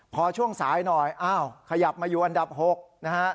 พอช่วงสายหน่อยขยับมาอยู่อันดับ๖นะครับ